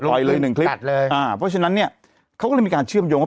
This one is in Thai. เลยหนึ่งคลิปเลยอ่าเพราะฉะนั้นเนี้ยเขาก็เลยมีการเชื่อมโยง